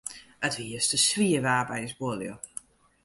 It wie juster swier waar by ús buorlju.